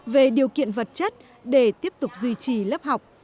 về điều kiện vật chất để tiếp tục duy trì lớp học